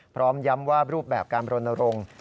พร้อมย้ำว่ารูปแบบการบรณรงค์